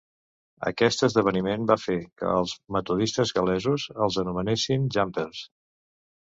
Aquest esdeveniment va fer que als metodistes gal·lesos els anomenessin "Jumpers".